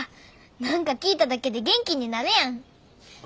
何か聞いただけで元気になるやん。